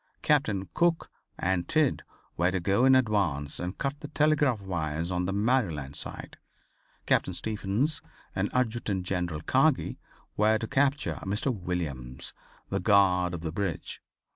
Captains Cook and Tidd were to go in advance and cut the telegraph wires on the Maryland side. Captain Stephens and Adjutant General Kagi were to capture Mr. Williams, the guard of the bridge.